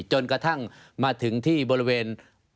จนกระทั่งมาถึงที่บริเวณ